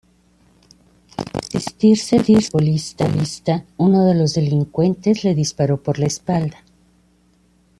Al resistirse el futbolista, uno de los delincuentes le disparó por la espalda.